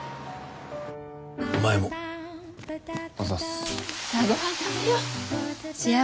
お前もあざす